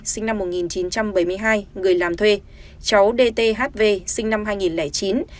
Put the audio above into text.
sinh năm một nghìn chín trăm bảy mươi hai người làm thuê cháu dthv sinh năm hai nghìn chín